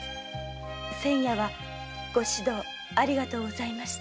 先夜はご指導ありがとうございました。